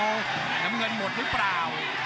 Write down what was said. น้ำเงินหมดหรือเปล่า